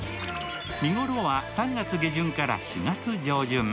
見頃は３月下旬から４月上旬。